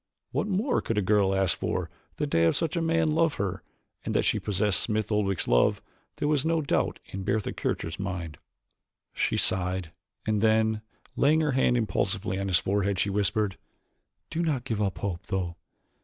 What more could a girl ask for than to have such a man love her and that she possessed Smith Oldwick's love there was no doubt in Bertha Kircher's mind. She sighed, and then, laying her hand impulsively on his forehead, she whispered, "Do not give up hope, though.